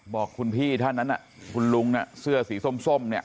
บอกคุณพี่ท่านนั้นคุณลุงเสื้อสีส้มเนี่ย